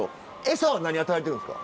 餌は何与えてるんですか？